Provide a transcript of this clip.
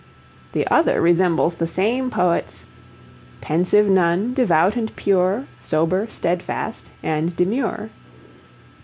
The other resembles the same poet's Pensive Nun, devout and pure, Sober, steadfast, and demure.